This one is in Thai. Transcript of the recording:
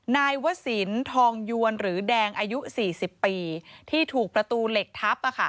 นายวศิลป์ทองยวนหรือแดงอายุ๔๐ปีที่ถูกประตูเหล็กทับ